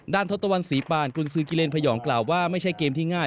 ทศตวรรษีปานกุญสือกิเลนพยองกล่าวว่าไม่ใช่เกมที่ง่าย